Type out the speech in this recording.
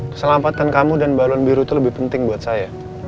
keselamatan kamu dan balon biru itu lebih penting buat saya